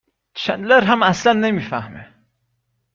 چندلر هم اصلا نمی فهمه